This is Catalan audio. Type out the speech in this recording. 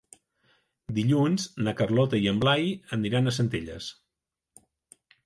Dilluns na Carlota i en Blai aniran a Centelles.